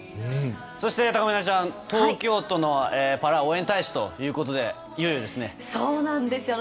そして、たかみなちゃん東京都のパラ応援大使ということでいよいよですね。